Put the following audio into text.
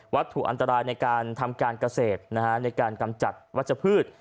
ถูกอันตรายในการทำการเกษตรในการกำจัดวัชพืช